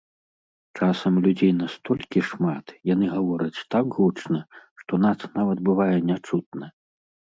Часам людзей настолькі шмат, яны гавораць так гучна, што нас нават бывае не чутна.